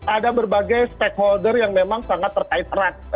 ada berbagai stakeholder yang memang sangat terkait erat